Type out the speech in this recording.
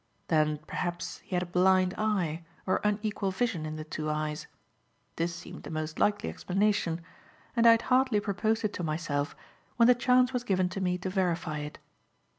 Then perhaps he had a blind eye or unequal vision in the two eyes; this seemed the most likely explanation; and I had hardly proposed it to myself when the chance was given to me to verify it.